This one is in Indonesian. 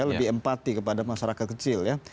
lebih empati kepada masyarakat kecil ya